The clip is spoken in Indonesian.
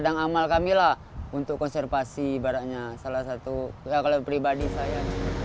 kadang amal kami lah untuk konservasi ibaratnya salah satu ya kalau pribadi saya